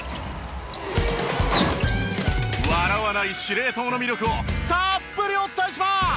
笑わない司令塔の魅力をたっぷりお伝えします！